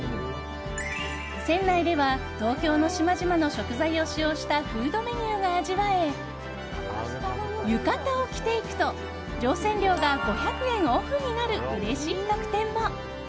船内では東京の島々の食材を使用したフードメニューが味わえ浴衣を着ていくと乗船料が５００円オフになるうれしい特典も。